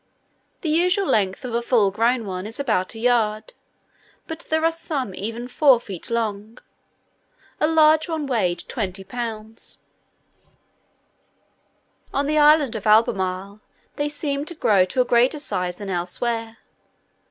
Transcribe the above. The usual length of a full grown one is about a yard, but there are some even four feet long; a large one weighed twenty pounds: on the island of Albemarle they seem to grow to a greater size than elsewhere.